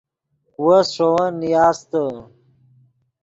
وس ݰے ون نیاستے